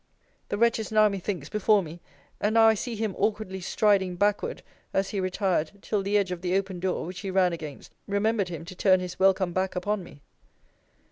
The wretch is now, methinks, before me; and now I see him awkwardly striding backward, as he retired, till the edge of the opened door, which he ran against, remembered him to turn his welcome back upon me.